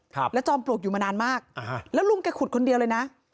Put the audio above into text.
ครับแล้วจอมปลวกอยู่มานานมากอ่าฮะแล้วลุงแกขุดคนเดียวเลยนะ